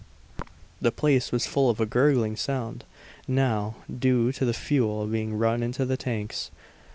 The place was full of a gurgling sound, now, due to the fuel being run into the tanks.